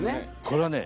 これはね